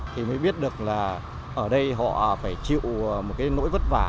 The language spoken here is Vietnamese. thì mới biết được là ở đây họ phải chịu một cái nỗi vất vả